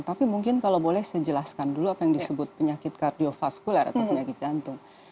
tapi mungkin kalau boleh saya jelaskan dulu apa yang disebut penyakit kardiofaskular atau penyakit jantung